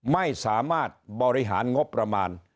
ไม่สามารถบริหารงบประมาณ